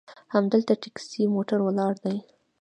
همدلته ټیکسي موټر ولاړ دي.